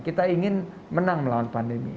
kita ingin menang melawan pandemi